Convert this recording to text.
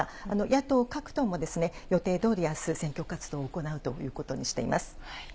野党各党も予定どおりあす選挙活動を行うということにしています。